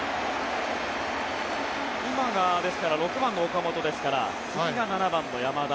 今が６番の岡本ですから次が７番の山田。